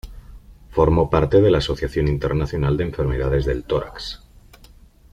Formó parte de la Asociación Internacional de Enfermedades del Tórax.